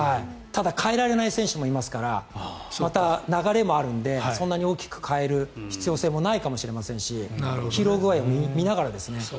ただ変えられない選手もいますから流れもあるのでそんなに大きく変える必要もないかもしれませんし疲労具合も見ながらですね。